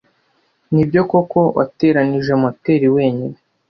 Nibyo koko wateranije moteri wenyine?